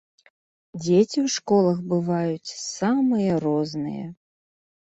Дзеці ў школах бываюць самыя розныя.